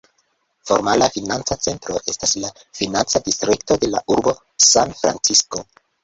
Formala financa centro estas la financa distrikto de la urbo San-Francisko.